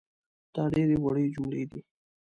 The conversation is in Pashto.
دا ډېرې وړې جملې دي